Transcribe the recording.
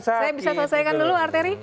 saya bisa selesaikan dulu arteri